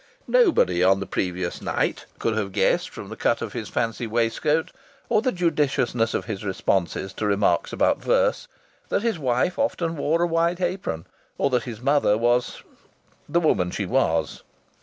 Nobody, on the previous night, could have guessed from the cut of his fancy waistcoat or the judiciousness of his responses to remarks about verse, that his wife often wore a white apron, or that his mother was the woman she was!